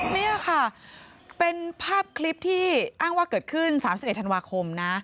นี่ค่ะเป็นภาพคลิปที่อ้างว่าเกิดขึ้น๓๑ธันวาคมนะ